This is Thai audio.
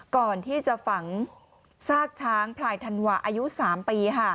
ก่อนที่จะฝังซากช้างพลายธันวาอายุ๓ปี